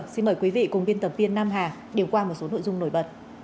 xin mời quý vị cùng viên tập viên nam hà điều qua một số nội dung nổi bật